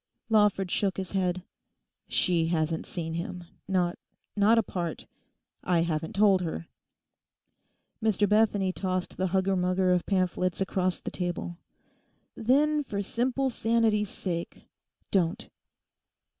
Lawford shook his head. 'She hasn't seen him: not—not apart. I haven't told her.' Mr Bethany tossed the hugger mugger of pamphlets across the table. 'Then, for simple sanity's sake, don't.